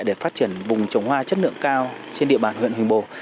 để phát triển vùng trồng hoa chất lượng cao trên địa bàn huyện hình bồ